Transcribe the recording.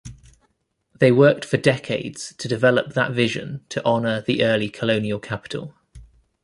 They worked for decades to develop that vision to honor the early colonial capital.